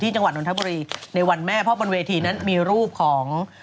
ที่จังหวัดดนตรีในวันแม่พ่อบนเวทีนั้นมีรูปของ